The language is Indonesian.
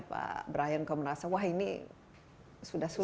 pak brian kamu merasa wah ini sudah sulit